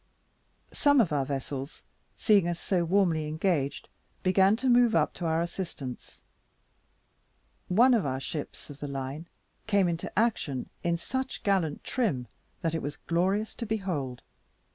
Some of our vessels seeing us so warmly engaged, began to move up to our assistance. One of our ships of the line came into action in such gallant trim, that it was glorious to behold.